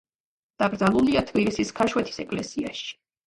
დაკრძალულია თბილისის ქაშვეთის ეკლესიაში.